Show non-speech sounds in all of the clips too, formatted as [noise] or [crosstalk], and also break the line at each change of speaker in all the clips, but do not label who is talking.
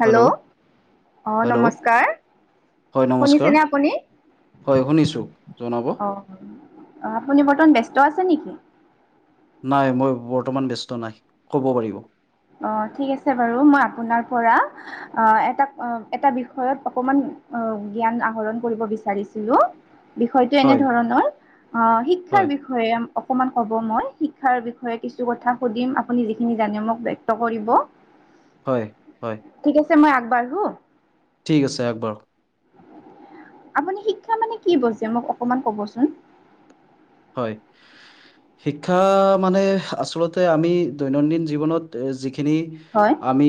Hello অ
hello
নমস্কাৰ
হয় নমস্কাৰ
শুনিছেনে আপুনি
হয় শুনিছোঁ জনাব
অ আপুনি বৰ্তমান ব্যস্ত আছে নেকি
নাই মই বৰ্তমান ব্যস্ত নাই কব পাৰিব
অ ঠিক আছে বাৰু মই আপোনাৰ পৰা আহ এটা এটা বিষয়ত অকমান জ্ঞান আহৰণ কৰিব বিচাৰিছিলো বিষয়টো
হয়
এনেধৰণৰ আহ শিক্ষাৰ
হয়
বিষয় হয় অকণমান ক'ব মই শিক্ষাৰ বিষয়ে কিছু কথা সুধিম আপুনি যিখিনি জানে মোক ব্যক্ত কৰিব
হয় হয়
ঠিক আছে মই আগবাঢ়ো
ঠিক আছে আগবাঢ়ক
আপুনি শিক্ষা মানে কি বুজে মোক অকমান কবচোন।
হয়। শিক্ষা মানে আচলতে আমি দৈনন্দিন জীৱনত যিখিনি
হয়
আমি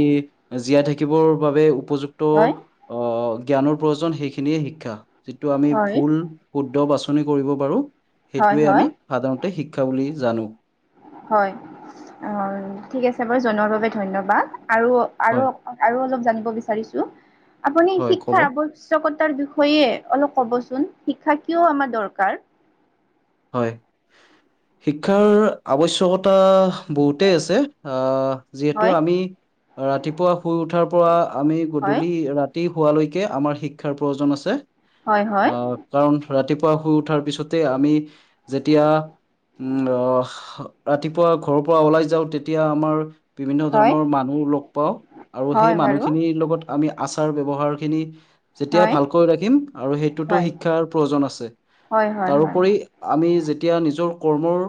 জীয়াই থাকিবৰ বাবে উপযুক্ত।
হয়
অ জ্ঞানৰ প্ৰয়োজন সেইখিনিয়ে শিক্ষা। যিটো আমি
হয়
ভুল শুদ্ধ বাছনি কৰিব পাৰোঁ
হয়
সেইটোৱে আমি
হয়
সাধাৰণতে শিক্ষা বুলি জানোঁ।
হয় অ ঠিক আছে বাৰু জনোৱাৰ বাবে ধন্যবাদ আৰু আৰু
হয়
আৰু অলপ জানিব বিচাৰিছোঁ। আপুনি
হয় ক'ব
শিক্ষাৰ [unintelligible] উচ্চকতাৰ বিষয়ে অলপ ক'ব চোন? শিক্ষা কিয় আমাৰ দৰকাৰ?
হয়। শিক্ষাৰ আৱশ্যকতা বহুতে আছে। আহ যিহেতু
হয়,
আমি ৰাতিপুৱা শুই উঠাৰ পৰা আমি
হয়,
গধূলি ৰাত তি হোৱালৈকে আমাৰ শিক্ষাৰ প্ৰয়োজন আছে।
হয়, হয়,
আহ কাৰণ ৰাতিপুৱা শুই উঠাৰ পিছতে আমি যেতিয়া উম অহ ৰাতিপুৱা ঘৰৰ পৰা ওলাই যাওঁ তেতিয়া আমাৰ বিভিন্ন
হয়,
ধৰণৰ মানুহ লগ পাওঁ আৰু সেই
হয় বাৰু
মানুহখিনিৰ লগত আমি আচাৰ ব্যৱহাৰ খিনি যেতিয়াই
হয়।
ভালকৈ ৰাখিম আৰু সেইটোতো
হয়, হয়,
শিক্ষাৰ প্ৰয়োজন আছে।
হয়, হয়, হয়,
তাৰোপৰি আমি যেতিয়া নিজৰ কৰ্মৰ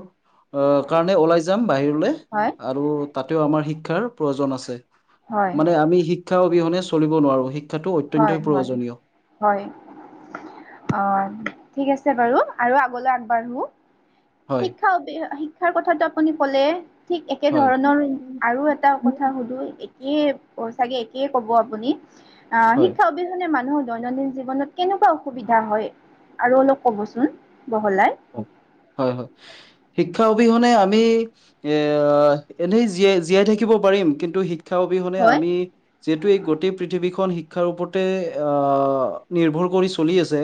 কাৰণে ওলাই যাম বাহিৰলে
হয়,
আৰু তাতেও আমাৰ শিক্ষাৰ প্ৰয়োজন আছে। মানে আমি শিক্ষা অবিহনে চলিব নোৱাৰো। শি
হয় হয়, হয়। অ, ঠিক আছে বাৰু আৰু আগলৈ আগবাঢ়ো।
হয়
শিক্ষা অবি শিক্ষাৰ কথাটো আপুনি ক'লে। ঠিক একে
হয়
ধৰণৰ আৰু এটা কথা সুধো? এ কে ছাগে একে কব আপুনি। আহ
হয়
শিক্ষা অবি অবিহনে মানুহৰ দৈনন্দিন জীৱনত কেনেকুৱা অসুবিধা হয়? আৰু অলপ ক'ব চোন বহলাই।
হয় হয়। শিক্ষা অবিহনে আমি এ এনেই জীয়াই জীয়াই থাকিব পাৰিম কিন্তু শিক্ষা অবিহনে
হয়
আমি যিহেতু এই গোটেই পৃথিৱীখন শিক্ষাৰ ওপৰতে অ নিৰ্ভৰ কৰি চলি আছে।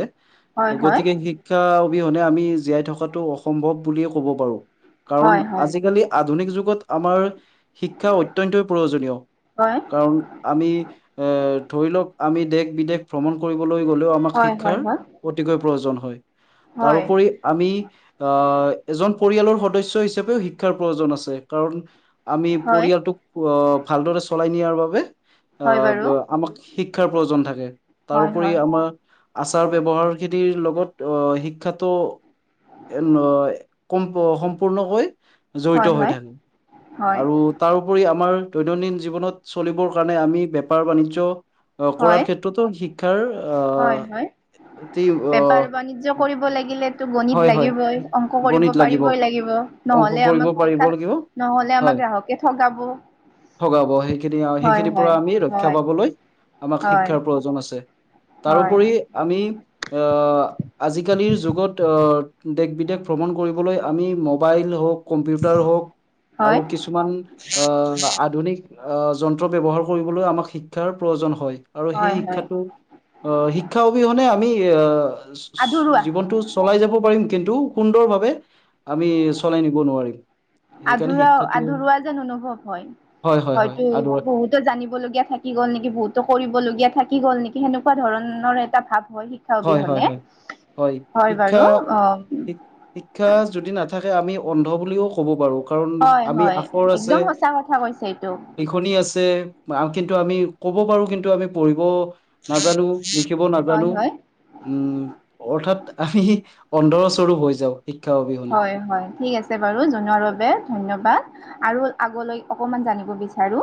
হয় হয়
গতিকে শিক্ষা অবিহনে আমি জীয়াই থকাটো অসম্ভৱ বুলিয়ে কব পাৰোঁ। কাৰণ
হয়
আজিকালি আধুনিক যুগত আমাৰ শিক্ষা অত্যন্তই প্ৰয়োজনীয়।
হয়।
কাৰণ আমি এ ধৰি লওক আমি দেশ বিদেশ ভ্ৰমণ কৰিবলৈ গ'লেও আমাক
হয়
শিক্ষাৰ
হয়
অতিকৈ প্ৰয়োজন হয়।
হয় হয়
তাৰোপৰি আমি আহ এজন পৰিয়ালৰ সদস্য হিচাপেও শিক্ষাৰ প্ৰয়োজন আছে কাৰণ আমি
হয়
পৰিয়ালটোক অ ভালদৰে চলাই নিয়াৰ বাবে।
হয় বাৰু
আহ আমাক শিক্ষাৰ প্ৰয়োজন থাকে।
হয়
তাৰোপৰি
হয়
আমা আচাৰ ব্যৱহাৰ খিনিৰ লগত অহ শিক্ষাটো [unintelligible] কম সম্পূৰ্ণকৈ
হয়
জঢ়িত হৈ থাকে
হয়
আৰু তাৰোপৰি আমাৰ দৈনন্দিন জীৱনত চলিবৰ কাৰণে আমি বেপাৰ বাণিজ্য কৰা
হয়
ক্ষেত্ৰতো শিক্ষাৰ
হয়
আহ
হয়
এটি
বেপাৰ বাণিজ্য কৰিব
আহ
লাগিলে টো
হয়
গণিত
হয়
লাগিবই অংক কৰিব পাৰিবই লাগিব
অংক
নহ'লে
কৰিব
আমাক
পাৰিব
সোনকাল
লাগিব
নহলে
হয়
আমাক গ্ৰাহকে ঠগাব?
ঠগাব সেইখিনি আও।
হয়
সেইখিনি পৰা
হয়
আমি ৰক্ষা
হয়
পাবলৈ, আমাক
হয়
শিক্ষাৰ প্ৰয়োজন আছে।
হয়
তাৰোপৰি, আমি অঁ আজিকালিৰ যুগত অঁ দেশ বিদেশ ভ্ৰমণ কৰিবলৈ আমি ম'বাইল হওক, কম্পিউটাৰ হওঁক আৰু
হয়
কিছু কিছুমান আহ আধুনিক আহ যন্ত্ৰ ব্যৱহাৰ কৰিবলৈ আমাক শিক্ষাৰ প্ৰয়োজন হয়। আৰু সেই
হয় হয়
শিক্ষাটো অহ শিক্ষা অবিহনে আমি আহ
আধৰুৱা
জীৱনটো, চলাই যাব পাৰিম কিন্তু সুন্দৰভাৱে আমি চলাই নিব নোৱাৰিম। সেইকাৰণে
আধৰা
শিক্ষাটো
আধৰুৱা যেন অনুভৱ হয়,
হয় হয় হয়
হয়তো
আদৰ
বহুত তো জানিবলগীয়া থাকি গ'ল নেকি, বহুতো কৰিবলগীয়া থাকি গ'ল নেকি সেনেকুৱা ধৰণৰ এটা ভাৱ হয়। [unintelligible] হয় বাৰু অঁ-
শি- শিক্ষা যদি নাথাকে আমি অন্ধ বুলিও ক'ব পাৰো। কাৰণ
হয়
আমি
হয়
আখৰ
একদম
আছে-
সঁচা কথা কৈছে এইটো
লিখনি আছে কিন্তু আমি ক'ব পাৰো কিন্তু আমি পঢ়িব নাজানোঁ, লিখিব
হয়
নাজানোঁ।
হয়
উমঁ' অৰ্থাৎ আমি অন্ধস্বৰো হৈ যাওঁ। শিক্ষা অভি
হয় হয়, ঠিক আছে- আছে বাৰু জনোৱাৰ বাবে ধন্যবাদ আৰু আগলৈ অকমান জানিব বিচাৰো।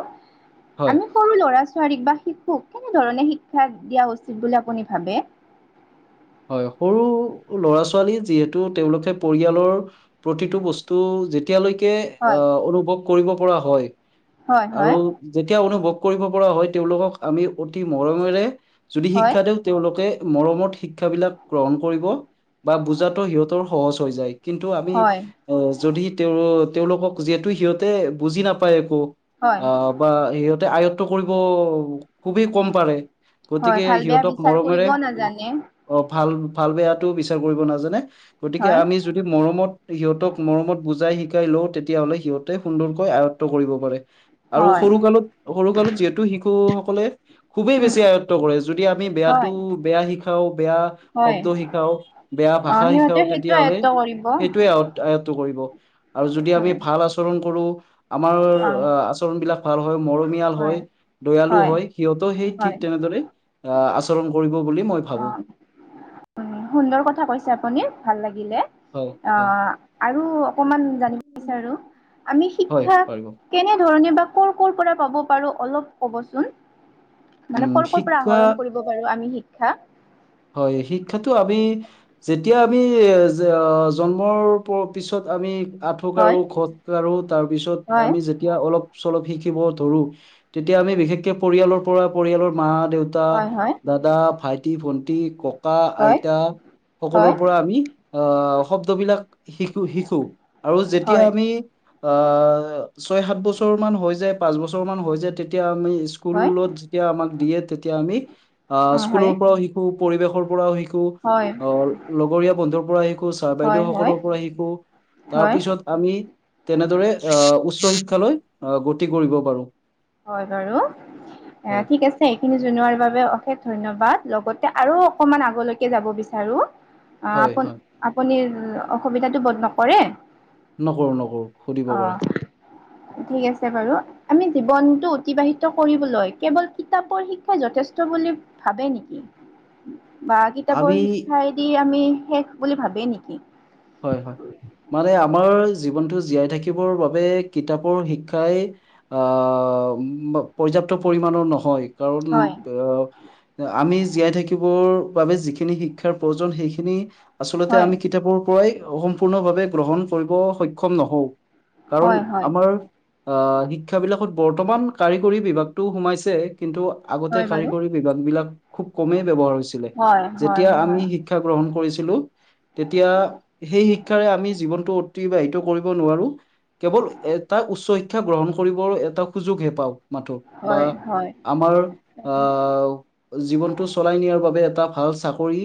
হয়
আমি সৰু ল'ৰা ছোৱালীক বা শিশুক কেনেধৰণে শিক্ষা দিয়া উচিত বুলি আপুনি ভাবে?
হয়, সৰু ল'ৰা ছোৱালী যিহেতু তেওঁলোকে পৰিয়ালৰ প্ৰতিটো বস্তু যেতি এতিয়ালৈকে
হয়,
আহ' অনুভৱ কৰিব পৰা হয়
হয়,
আৰু
হয়,
যেতিয়া অনুভৱ কৰিব পৰা হয় তেওঁলোকক আমি অতি মৰমেৰে যদি
হয়,
শিক্ষা দিওঁ তেওঁলোকে মৰমত শিক্ষাবিলাক গ্ৰহণ কৰিব বা বুজাতো সিহঁতৰ সহজ হৈ যায়। কিন্তু আমি
হয়,
আহ' যদি তেওঁ তেওঁলোকক যিহেতু সিহঁতে বুজি নাপায় একো।
হয়,
আহ' বা সিহঁতে আয়ত্ব কৰিব খুবেই কম পাৰে।
হয়,
গতিকে
ভাল বেয়া
সিহঁতক
বিচাৰ কৰিব
মৰমেৰে
নাজানে।
অঁ, ভাল-ভাল বেয়াটো বিচাৰ কৰিব নাজানে। গতিকে
হয়,
আমি যদি মৰমত সিহঁতক মৰমত বুজাই শিকাই লওঁ তেতিয়া হ'লে সিহঁতে সুন্দৰকৈ আয়ত্ব কৰিব পাৰে। আৰু
হয়,
সৰু কালত, সৰু কালত যিহেতু শিশুসকলে খুবেই
উম,
বেছি আয়ত্ব কৰে যদি আমি বেয়াটো
হয়,
বেয়া শিকাও- বেয়া
হয়,
শব্দ শিকাও, বেয়া
অ',
ভাষা শিকাও
সিহঁতে সেইটো
তেতিয়া হ'লে
আয়ত্ব কৰিব।
সেইটোৱে আয় আয়ত্ব কৰিব আৰু যদি আমি
হয়,
ভাল আচৰণ কৰো আমাৰ
অ',
আঁ' আচৰণ বিলাক ভাল হয়, মৰমিয়াল হয়, দয়ালু হয় সিহঁতও সেই ঠিক
হয়,
তেনেদৰে আ, আচৰণ কৰিব বুলি মই ভাবো
অঁ, উমঁ' সুন্দৰ কথা কৈছে আপুনি ভাল লাগিলে।
হয় হয়
আহ' আৰু অকমান জানিব বিচাৰো আমি
হয়
শিক্ষাক
পাৰিব
কেনে ধৰণে বা কৰ' কৰ' পৰা পাব পাৰো অলপ ক'বচোন? মানে
উম
কৰ' ক'ৰ পৰা
শিক্ষা
আহৰণ কৰিব পাৰো আমি শিক্ষা?
হয়, শিক্ষাটো আমি যেতিয়া আমি জন্মৰ পিছত আমি [unintelligible]
হয়
খজাঢ়ো তাৰপিছত
হয়
আমি যে তিয়া অলপ চলপ শিকিব ধৰো তেতিয়া আমি বিশেষকে পৰিয়ালৰ পৰা পৰিয়ালৰ মা, দেউ তা,
হয় হয়
দাদা, ভাইটি, ভন্টি, ককা, আইতা
হয়
সকলো
হয়
পৰা আমি আহ' শব্দবিলাক শিকো, শিকো আৰু যেতিয়া
হয়
আমি আহ' ছয় সাত বছৰ মান হৈ যায় পাঁচ বছৰ মান হৈ যায় তেতিয়া আমি
হয়
স্কুলত যেতিয়া আমাক দিয়ে তেতিয়া আমি আঁ'
অ হয়
স্কুলৰ পৰাও শিকো, পৰিৱেশৰ পৰাও শিকো শিকো,
হয়
অহ' লগৰীয়া বন্ধুৰ পৰা শিকো, ছাৰ বাইদেউ
হয় হয়
সকলৰ পৰা শিকো, তাৰ
হয়
পিছত আমি তেনেদৰে আহ' উচ্চ শিক্ষালৈ আহ' গতি কৰিব পাৰো।
হয় বাৰু। এ
হয়
ঠিক আছে এইখিনি জনোৱাৰ বাবে অশেষ ধন্যবাদ, লগতে আৰু অকমান আগলৈকে যাব বিচাৰো। অ
হয়
আপ
হয়
আপুনিৰ অসুবিধাটো বন্ধ নকৰে?
নকৰো নকৰো সুধিব
অ
পাৰে।
ঠিক আছে বাৰু। আমি জীৱনটো অতিবাহিত কৰিবলৈ কেৱল কিতাপৰ শিক্ষাই যথেষ্ট বুলি ভাবে নেকি? বা
আমি
কিতাপৰ শিক্ষাই দি আমি শেষ বুলি ভাবেই নেকি?
হয় হয়। মানে আমাৰ জীৱনটো জীয়াই থাকিবৰ বাবে কিতাপৰ শিক্ষাই আ পৰ্যাপ্ত পৰিমণৰ নহয় কাৰণ
হয়
আ আমি জীয়াই থাকিবৰ বাবে যিখিনি শিক্ষাৰ প্ৰয়োজন সেইখিনি আচলতে
হয়
আমি কিতাপৰ পৈয়েক সম্পূৰ্ণভাৱে গ্ৰহণ কৰিব সক্ষম নহওঁ কাৰণ
হয় হয়
আমাৰ আহ শিক্ষা বিলাকত বৰ্তমান কাৰিকৰী বিভাগটো সোমাইছে। কিন্তু আগতে
হয় বাৰু
কাৰিকৰী বিভাগ বিলাক খুব কমেই ব্যৱহাৰ হৈছিলে।
হয় হয়
যেতিয়া আমি
হয়
শিক্ষা শিক্ষা গ্ৰহণ কৰিছিলো তেতিয়া, সেই শিক্ষাৰে আমি জীৱনটো অতিবাহিত কৰিব নোৱাৰো! কেৱল এটা উচ্চ শিক্ষা গ্ৰহণ কৰিবৰ এটা সুযোগহে পাওক! মাতো বা
হয় হয়
আমাৰ আহ, জীৱনটো চলাই নিয়াৰ বাবে এটা ভাল চাকৰি।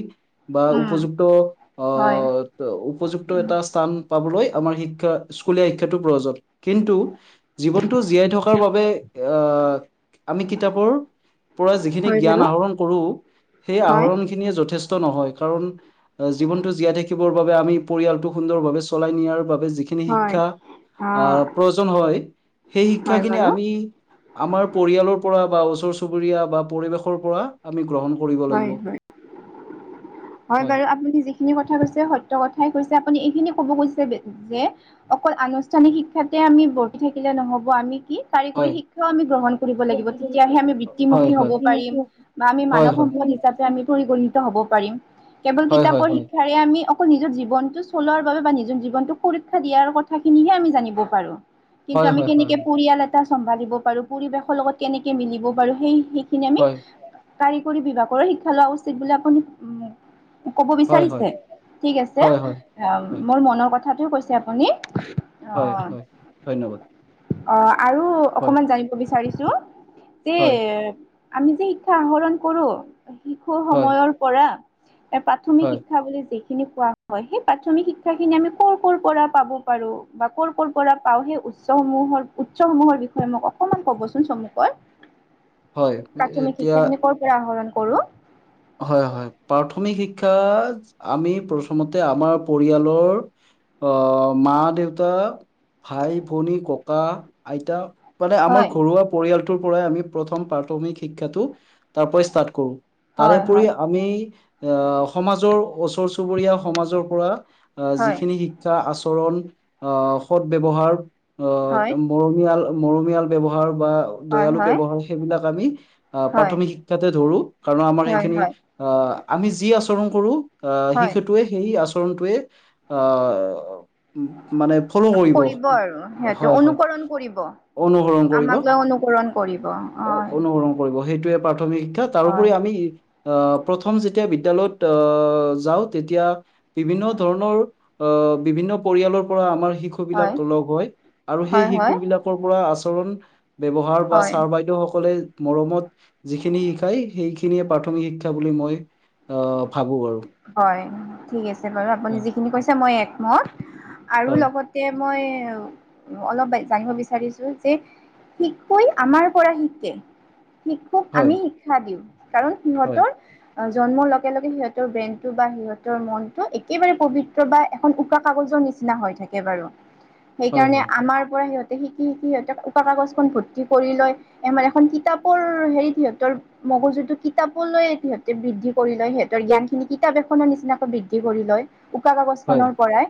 বা
উম
উপযুক্ত অ।
হয়
উপযুক্ত
উম
এটা স্থান পাবলৈ আমাৰ শিক্ষা স্কুলীয়া শিক্ষাটো প্ৰয়োজন। কিন্তু জীৱনটো জীয়াই থকাৰ বাবে আহ আমি কিতাপৰ। পৰা যিখিনি
হয়
জ্ঞান
বাৰু
আহৰণ কৰো সেই
হয়
আহৰণ। এইখিনিয়ে যথেষ্ট নহয় কাৰণ জীৱনটো জীয়াই থাকিব। বাবে আমি পৰিয়ালটো সুন্দৰভাৱে চলাই নিয়াৰ বাবে যিখিনি খিনি
হয় অ
শিক্ষা আহ
হয়
প্ৰয়োজন হয় সেই শিক্ষাখিনি
বাৰু
আমি আমাৰ পৰিয়ালৰ পৰা বা ওচৰ চুবুৰীয়া বা পৰিৱেশৰ পৰা আমি গ্ৰহণ কৰিব
হয়
লাগিব
হয়। হয় বাৰু আপুনি যিখিনি যিখিনি কথা কৈছে সত্য কথাই কৈছে আপুনি এইখিনি ক'ব গৈছে যে অকল আনুষ্ঠানিক শিক্ষাতে আমি ভৰ্তি থাকিলে নহব আমি কি কাৰিকৰী
হয়
শিক্ষাও আমি গ্ৰহণ কৰিব লাগিব। তেতিয়াহে আমি
হয়
বৃত্তিমুখী
হয়
হ'ব পাৰিম। বা আমি
হয়
মানৱ
হয়
সম্পদ হিচাপে আমি পৰিগণিত হব পাৰিম। কেৱল
হয় হয়
কিতাপৰ
হয়
শিক্ষা আমি অকল নিজৰ জীৱনটো চলোৱাৰ বাবে বা নিজৰ জীৱনটোক সুৰক্ষা দিয়াৰ কথাখিনিহে আমি জানিব পাৰোঁ। কিন্তু
হয়
আমি
হয় হয়
কেনেকে পৰিয়াল এটা চম্ভালিব পাৰো, পৰিৱেশৰ লগত কেনেকে মিলিব পাৰো। সেই খিনি খিনি আমি
হয়
কাৰিকৰী বিভাগৰো শিক্ষা লোৱা উচিত বুলি আপুন উ কব
হয় হয়
বিচাৰিছে ঠিক আছে।
হয় হয়
অ
হয়
মোৰ মনৰ কথাটোও কৈছে আপুনি। অ
হয় হয় ধন্যবাদ।
অ আৰু
হয়
অকমান জানিব বিচাৰিছো যে
হয়
আমি যে শিক শিক্ষা আহৰণ কৰো শিশুৰ
হয়
সময়ৰ পৰা এ প্ৰাথমিক
হয়
শিক্ষা বুলি যি। পোৱা হয় সেই প্ৰাথমিক শিক্ষা খিনি আমি কৰ কৰ' পৰা পাব পাৰো বা কৰ কৰ' পৰা পাওঁ সেই। উৎসসমূহৰ উৎসসমূহৰ বিষয়ে মোক অকমান কবচোন চমুকৈ।
হয়
প্ৰাথমিক
এতিয়া
শিক্ষাখিনি কৰ পৰা আহৰণ কৰো।
হয় হয় প্ৰাথমিক শিক্ষা আমি প্ৰথমতে আমাৰ পৰিয়ালৰ। আহ মা দেউতা ভাই ভনী ককা আইতা। মানে আমাৰ
হয়
ঘৰুৱা পৰিয়ালটোৰ পৰাই আমি প্ৰথম প্ৰাথমিক শিক্ষাটো তাৰ পৰাই ষ্টাৰ্ট কৰো।
হয়
তাৰেপৰি
হয়
আমি আহ সমাজৰ ওচৰ চুবুৰীয়া সমাজৰ পৰা। আহ
হয়
যিখিনি শিক্ষা আচৰণ আহ সৎ ব্যৱহাৰ আহ
হয়
তম মৰমীয়াল মৰমিয়াল ব্যৱহাৰ বা
হয়
দয়ালু
হয়
ব্যৱহাৰ সেইবিলাক আমি
হয়
প্ৰাথমিক শিক্ষাতে ধৰো। কাৰণ আমাৰ
হয়
সেইখিনি
হয়
আহ আমি যি আচৰণ কৰো আহ
হয়
শিশুটোৱে সেই আচৰণটোৱে অ মানে ফল' কৰিব হয় হয়।
অনুসৰণ কৰিব
অনুসৰণ কৰিব,
আমাক লৈ অনুকৰণ কৰিব
অ
হয়
অনুসৰণ কৰিব, সেইটোৱে প্ৰাথমিক শিক্ষা
হয়
তাৰোপৰি আমি অ', প্ৰথম যেতিয়া বিদ্যালয়ত অ যাও, তেতিয়া বিভিন্ন ধৰণৰ অ', বিভিন্ন পৰিয়ালৰ পৰা আমাৰ শিশু শিশু
হয়
বিলাক লগ হয়, আৰু সেই
হয় হয়
শিশু বিলাকৰ পৰা আচৰণ ব্যৱহাৰ বা
হয়
ছাৰ বাইদেউ সকলে, মৰমত যিখিনি শিকায় সেইখিনিয়ে পাথ প্ৰাথমিক শিক্ষা বুলি মই অ', ভাবোঁ আৰু।
হয়। ঠিক আছে বাৰু আপুনি
হয়
যিখিনি কৈছে মই একমত আৰু
হয়
লগত তে, মই অলপ জানিব বিচাৰিছো যে শিশুই আমাৰ পৰা শিকে। শিশুক
হয়
আমি শিক্ষা দিওঁ, কাৰণ
হয়
সিহঁতৰ জন্মৰ লগে লগে সিয়ত ব্ৰেইনটো বা সিহঁতৰ মনটো একেবাৰে পৱিত্ৰ বা এখন উকা কাগজৰ নিচিনা হৈ থাকে বাৰু।
হয়
সেইকাৰণে
হয়
আমাৰ পৰা সিহঁতে শিকি শিকি, সিহঁতে উকা কাগজখন ভৰ্তি কৰি লয়। এ মানে, এখন কিতাপৰ হেৰিত সিহতৰ মগজুটো কিতাপ লৈ সিহঁতে বৃদ্ধি কৰি লয়, সিহঁতৰ জ্ঞান কিতাপ এখনৰ নিচিনাকৈ বৃদ্ধি কৰি লয়, উকা কাগজ
হয়
খনৰ পৰাই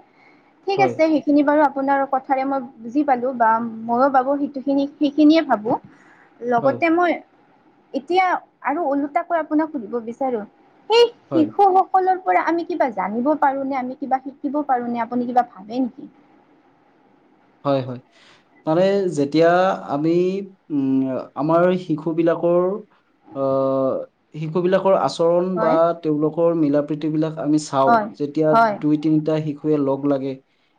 ঠিক
হয়
আছে শুনি বাৰো আপোনাৰ কথাৰে মই বুজি পালো বা ময়ো বাবু সিটো খিনি সিখিনিয়ে ভাবো। লগতে মই, এতিয়া আৰু ওলোটাকৈ আপোনাক সুধিব বিচাৰো সেই
হয়
শিশুসকলৰ পৰা আমি কিবা জানিব পাৰোনে? আমি কিবা শিকিব পাৰোনে? আপুনি কিবা ভাবে নিকি?
হয় হয়। মানে, যেতিয়া আমি উম, আমাৰ শিশু বিলাকৰ অ', শিশু বিলাকৰ আচ চৰণ বা
হয়
তেওঁলোকৰ মিলা প্ৰীতি বিলাক আমি চাওঁ।
হয়
যেতিয়া
হয়
দুই তিনিটা শিশুৱে লগ লাগি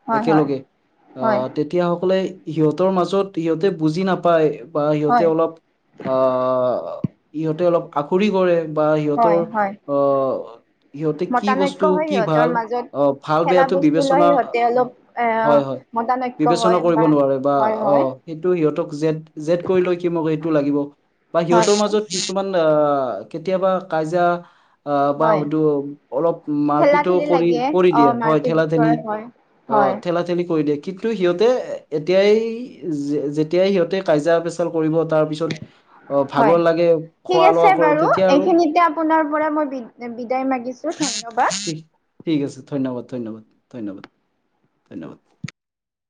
হয় হয়। হয়
আহ, তেতিয়াসকলে সিহঁতৰ মাজত সিহঁতে বুজি নাপায়, বা সিহঁতে
হয়
অলপ আহ, ইহঁতে অলপ আখুৰি কৰে বা
হয়
সিহঁতৰ
হয়
অ', সিহঁতে কি
মতানৈক্য
বস্তু
হয়
কি
সিহঁতৰ
ভাল
মাজত
অ', ভাল
খেলা
বেয়াটো
বস্তু লৈ
বিবেচনা,
সিহঁতে অলপ এ
হয় হয়।
মতানৈক্য
বিবেচনা
হয়
কৰিব নোৱাৰে, বা
হয় হয়
অ',। কিন্তু সিহঁতক জেদ-জেদ কৰি লৈ কি, মোক এইটো লাগিব বা
হয়
সিহঁতৰ
হয়
মাজত কিছ কিছুমান আহ কেতিয়াবা কাইজা আহ, বা
হয়
হয়টো অলপ
খেলা
মাৰপিতও
খেলি
কৰি
লাগে
কৰি
অ
দিয়ে, হয়
মাৰপিট
ঠেলা ঠেলি।
কৰা হয়
অ',
হয়
ঠেলা ঠেলি কৰি দিয়ে। কিন্তু সিহঁতে এতিয়াই, যেতিয়াই সিহঁতে কাইজা পেছ কৰিব তাৰ পিছত অ',
হয়
ভাগৰ লাগে,
ঠিক
খোৱা
আছে
লোৱা কৰে,
বাৰু
তেতিয়া আৰু
এইখিনিতে আপোনাৰ পৰা মই বিদ- বিদায় মাগিছোঁ ধন্যবাদ।
ঠিক আছে ধন্যবাদ, ধন্যবাদ, ধন্যবাদ, ধন্যবাদ।